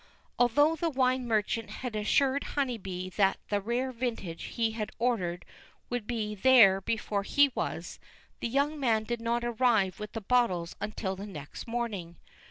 Although the wine merchant had assured Honeybee that the rare vintage he had ordered would be "there before he was," the young man did not arrive with the bottles until the next morning.